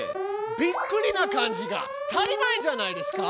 びっくりな感じが足りないんじゃないですか？